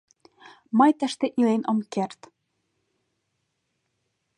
Мый тыште илен ом керт.